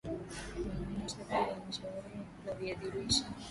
wanaonyonyesha pia wanashauriwa kula viazi lishe